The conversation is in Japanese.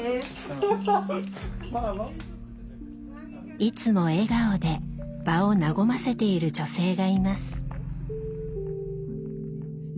いつも笑顔で場を和ませている女性がいます。